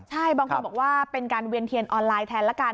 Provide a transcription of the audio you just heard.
ใช่บางคนบอกว่าเป็นการเวียนเทียนออนไลน์แทนละกัน